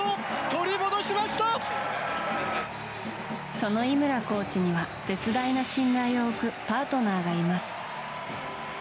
その井村コーチには絶大な信頼を置くパートナーがいます。